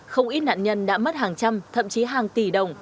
không ít nạn nhân đã mất hàng trăm thậm chí hàng tỷ đồng